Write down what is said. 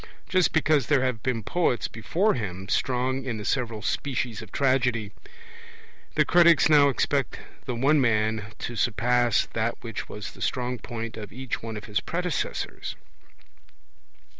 Just because there have been poets before him strong in the several species of tragedy, the critics now expect the one man to surpass that which was the strong point of each one of his predecessors.